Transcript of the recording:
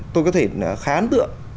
tôi có thể khá án tượng